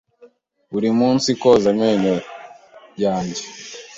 Buri munsi koza amenyo yanjye.